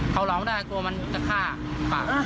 เขาหลอกได้กลัวมันจะฆ่าผิดปาก